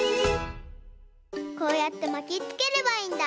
こうやってまきつければいいんだ。